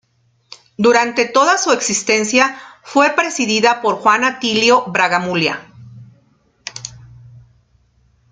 Durante toda su existencia fue presidida por Juan Atilio Bramuglia.